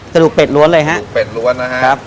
กระดูกเป็ดล้วนเลยฮะเป็ดล้วนนะฮะครับ